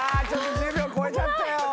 １０秒超えちゃったよ。